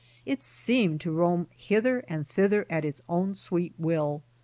It seemed to roam hither and thither at its own sweet will.